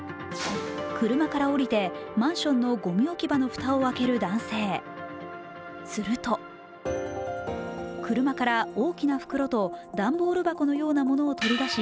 車から降りてマンションのごみ置き場の蓋を開ける男性、すると車から大きな袋と段ボール箱のようなものを取り出し